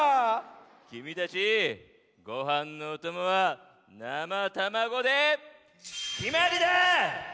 きみたちごはんのおともは「なまたまご」できまりだ！